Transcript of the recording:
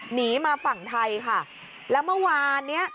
หนีมาฝั่งไทยค่ะแล้วเมื่อวานเนี้ย